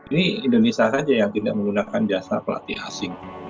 ini indonesia saja yang tidak menggunakan jasa pelatih asing